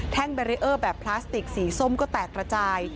แบรีเออร์แบบพลาสติกสีส้มก็แตกระจาย